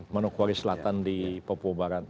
manokwari selatan di papua barat